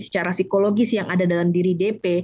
secara psikologis yang ada dalam diri dp